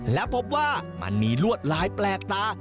และพบว่ามันมีลวดลายแปลกตา